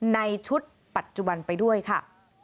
ในชุดปัจจุบันไปด้วยค่ะ